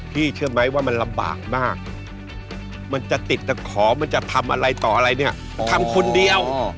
เชื่อไหมว่ามันลำบากมากมันจะติดตะขอมันจะทำอะไรต่ออะไรเนี่ยทำคนเดียว